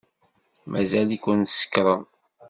Mazal-iken tsekṛem.